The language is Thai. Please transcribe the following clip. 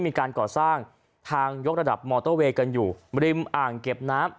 มีการก่อสร้างทางยกระดับมอเตอร์เวย์กันอยู่ริมอ่างเก็บน้ำ